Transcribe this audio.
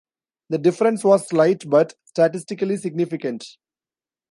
The difference was slight, but statistically significant.